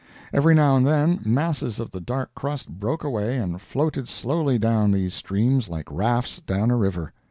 Every now and then masses of the dark crust broke away and floated slowly down these streams like rafts down a river.